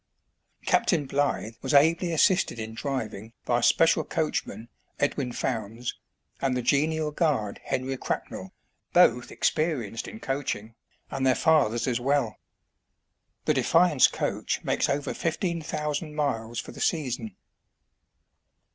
Captain Blythe was ably assisted in driving by a special coachman, Edwin Fownes, and the genial guard, Henry Cracknell, both experienced in coach ing, and their fathers as well. The " Defiance coach " makes over fifteen thousand miles for the season.